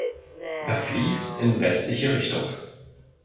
Er fließt in westliche Richtung.